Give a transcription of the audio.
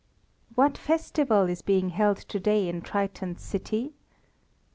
What festival is being held to day in Triton's city?